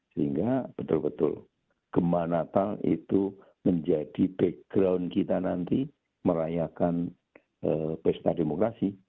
sehingga betul betul gemah natal itu menjadi background kita nanti merayakan pesta demokrasi